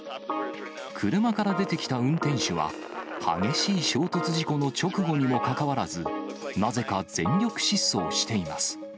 車から出てきた運転手は、激しい衝突事故の直後にもかかわらず、なぜか全力疾走しています。